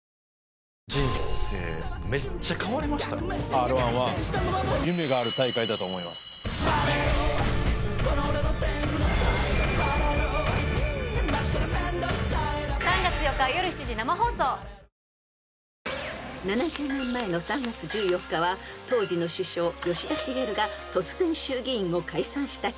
パワーカーブ⁉［７０年前の３月１４日は当時の首相吉田茂が突然衆議院を解散した日］